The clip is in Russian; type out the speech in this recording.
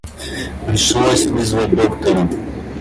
Пришлось вызвать доктора.